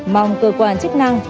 mong cơ quan chức năng